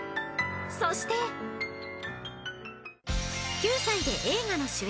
［そして］［９歳で映画の主演］